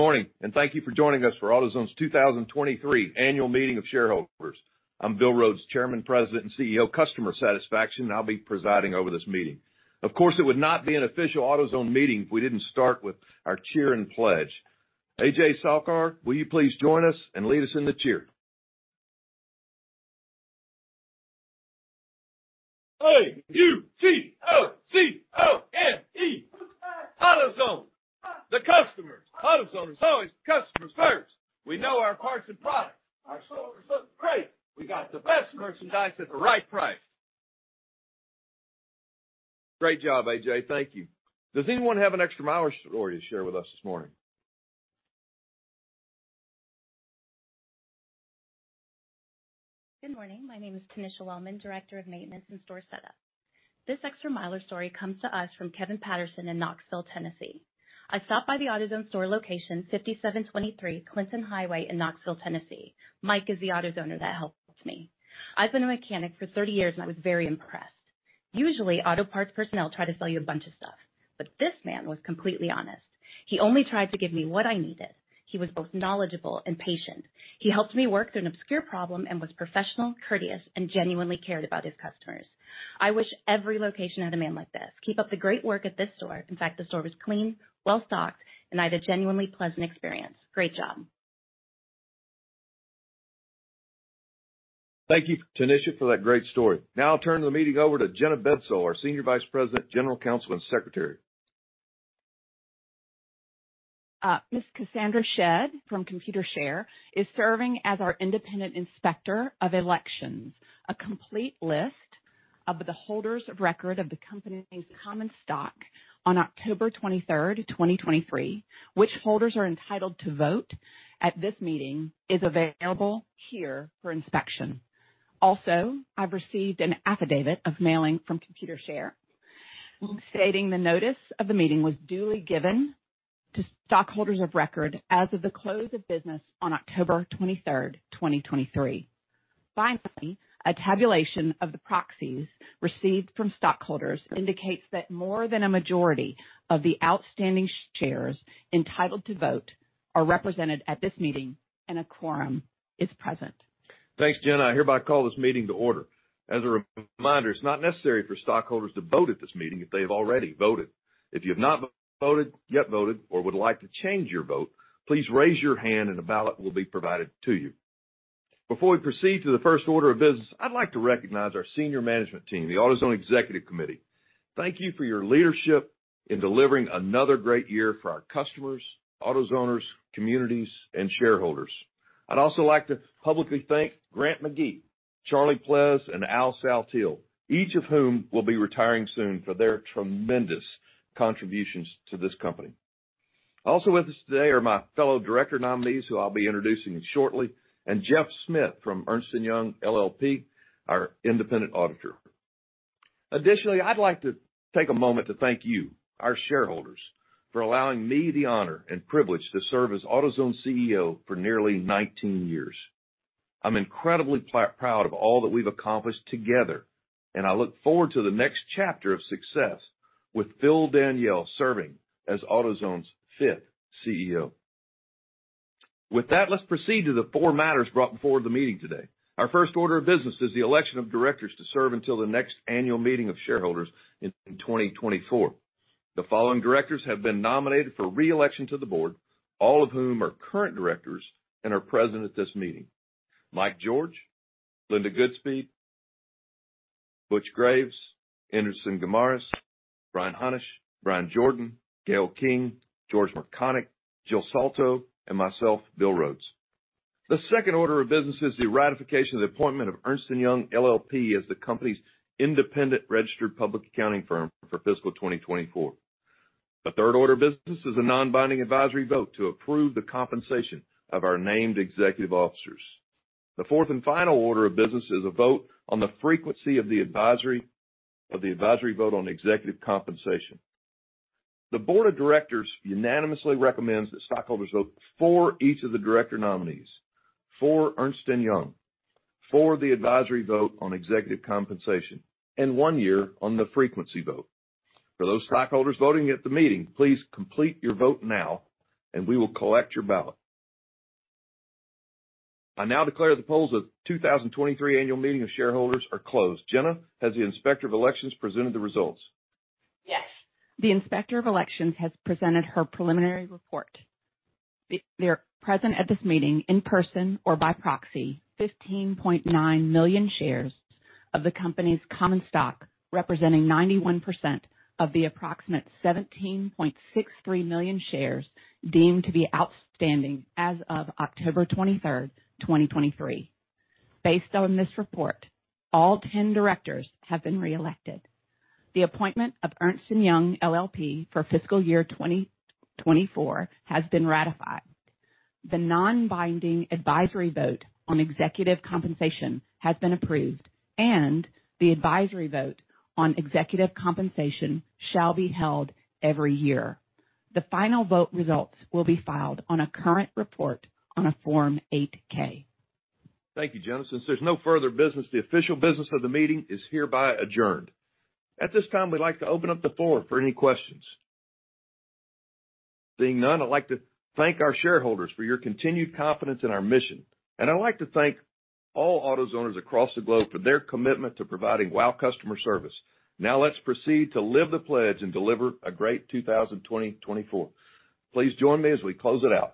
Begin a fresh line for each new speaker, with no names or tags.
Good morning, and thank you for joining us for AutoZone's 2023 Annual Meeting of Shareholders. I'm Bill Rhodes, Chairman, President, and CEO of Customer Satisfaction, and I'll be presiding over this meeting. Of course, it would not be an official AutoZone meeting if we didn't start with our cheer and pledge. Ajay Salkar, will you please join us and lead us in the cheer?
A-U-T-O-Z-O-N-E, AutoZone, the customer. AutoZone is always customers first. We know our parts and products. Our stores look great. We got the best merchandise at the right price.
Great job, Ajay Thank you. Does anyone have an Extra Miler story to share with us this morning?
Good morning. My name is Tanisha Wellman, Director of Maintenance and Store Setup. This Extra Miler story comes to us from Kevin Patterson in Knoxville, Tennessee. "I stopped by the AutoZone store location, 5723 Clinton Highway in Knoxville, Tennessee. Mike is the AutoZoner that helped me. I've been a mechanic for 30 years, and I was very impressed. Usually, auto parts personnel try to sell you a bunch of stuff, but this man was completely honest. He only tried to give me what I needed. He was both knowledgeable and patient. He helped me work through an obscure problem and was professional, courteous, and genuinely cared about his customers. I wish every location had a man like this. Keep up the great work at this store. In fact, the store was clean, well-stocked, and I had a genuinely pleasant experience. Great job!
Thank you, Tanisha, for that great story. Now I'll turn the meeting over to Jenna Bedsole, our Senior Vice President, General Counsel, and Secretary.
Ms. Cassandra Shedd from Computershare is serving as our independent inspector of elections. A complete list of the holders of record of the company's common stock on October 23, 2023, which holders are entitled to vote at this meeting, is available here for inspection. Also, I've received an affidavit of mailing from Computershare, stating the notice of the meeting was duly given to stockholders of record as of the close of business on October 23, 2023. Finally, a tabulation of the proxies received from stockholders indicates that more than a majority of the outstanding shares entitled to vote are represented at this meeting, and a quorum is present.
Thanks, Jenna. I hereby call this meeting to order. As a reminder, it's not necessary for stockholders to vote at this meeting if they have already voted. If you have not voted, yet voted, or would like to change your vote, please raise your hand and a ballot will be provided to you. Before we proceed to the first order of business, I'd like to recognize our senior management team, the AutoZone Executive Committee. Thank you for your leadership in delivering another great year for our customers, AutoZoners, communities, and shareholders. I'd also like to publicly thank Grant McGee, Charlie Pleas, and Al Saltiel, each of whom will be retiring soon, for their tremendous contributions to this company. Also with us today are my fellow director nominees, who I'll be introducing shortly, and Jeff Smith from Ernst & Young LLP, our independent auditor. Additionally, I'd like to take a moment to thank you, our shareholders, for allowing me the honor and privilege to serve as AutoZone's CEO for nearly 19 years. I'm incredibly proud of all that we've accomplished together, and I look forward to the next chapter of success with Phil Daniele serving as AutoZone's fifth CEO. With that, let's proceed to the 4 matters brought before the meeting today. Our first order of business is the election of directors to serve until the next annual meeting of shareholders in 2024. The following directors have been nominated for re-election to the board, all of whom are current directors and are present at this meeting: Mike George, Linda Goodspeed, Butch Graves, Enderson Guimaraes, Brian Hannasch, Bryan Jordan, Gale King, George Mrkonic, Jill Soltau, and myself, Bill Rhodes. The second order of business is the ratification of the appointment of Ernst & Young LLP as the company's independent registered public accounting firm for fiscal 2024. The third order of business is a non-binding advisory vote to approve the compensation of our named executive officers. The fourth and final order of business is a vote on the frequency of the advisory vote on executive compensation. The board of directors unanimously recommends that stockholders vote for each of the director nominees, for Ernst & Young, for the advisory vote on executive compensation, and one year on the frequency vote. For those stockholders voting at the meeting, please complete your vote now, and we will collect your ballot. I now declare the polls of the 2023 annual meeting of shareholders are closed. Jenna, has the Inspector of Elections presented the results?
Yes. The Inspector of Elections has presented her preliminary report. There are present at this meeting in person or by proxy, 15.9 million shares of the company's common stock, representing 91% of the approximate 17.63 million shares deemed to be outstanding as of October 23, 2023. Based on this report, all 10 directors have been reelected. The appointment of Ernst & Young LLP for fiscal year 2024 has been ratified. The non-binding advisory vote on executive compensation has been approved, and the advisory vote on executive compensation shall be held every year. The final vote results will be filed on a current report on a Form 8-K.
Thank you, Jenna. Since there's no further business, the official business of the meeting is hereby adjourned. At this time, we'd like to open up the floor for any questions. Seeing none, I'd like to thank our shareholders for your continued confidence in our mission, and I'd like to thank all AutoZoners across the globe for their commitment to providing WOW customer service. Now, let's proceed to live the pledge and deliver a great 2024. Please join me as we close it out.